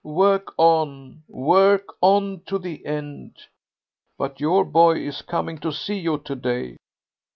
Work on, work on to the end.... But your boy is coming to see you to day."